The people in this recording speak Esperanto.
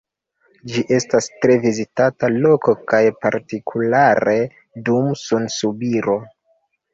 Ĝi estas tre vizitata loko kaj partikulare dum sunsubiro.